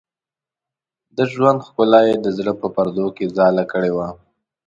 د ژوند ښکلا یې د زړه په پردو کې ځاله کړې وه.